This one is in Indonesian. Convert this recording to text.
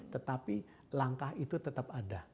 tetapi langkah itu tetap ada